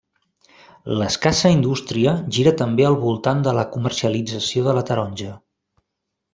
L'escassa indústria gira també al voltant de la comercialització de la taronja.